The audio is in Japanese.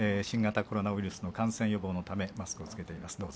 新型コロナウイルスの感染予防のためマスクを着けています。